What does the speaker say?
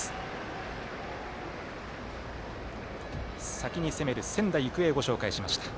先に攻める仙台育英をご紹介しました。